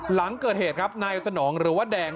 หลังเกิดเหตุครับนายสนองหรือว่าแดง